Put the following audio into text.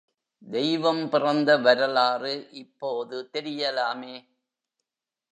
தெய்வம் பிறந்த வரலாறு இப்போது தெரியலாமே!